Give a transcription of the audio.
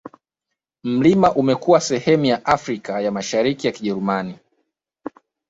Mlima umekuwa sehemu ya Afrika ya Mashariki ya Kijerumani